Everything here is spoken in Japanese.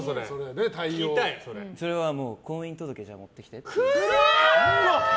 それは、婚姻届持ってきてって。